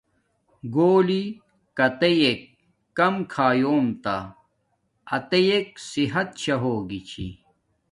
گھولی کاتیک کم کھایوم تا اتیک صحت شاہ ہوگی چھی